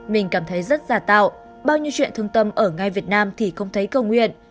mình cảm thấy rất giả tạo bao nhiêu chuyện thương tâm ở ngay việt nam thì không thấy cầu nguyện